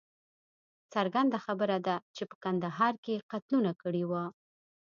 څرګنده خبره ده چې په کندهار کې یې قتلونه کړي وه.